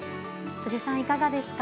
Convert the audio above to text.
辻さん、いかがですか。